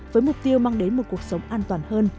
với mục tiêu mang đến một cuộc sống an toàn hơn